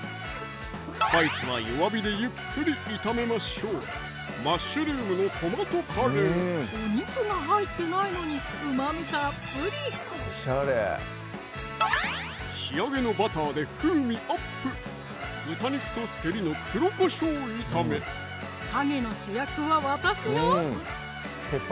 スパイスは弱火でゆっくり炒めましょうお肉が入ってないのにうまみたっぷり仕上げのバターで風味アップ陰の主役は私よ